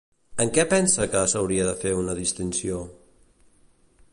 En què pensa que s'hauria de fer una distinció?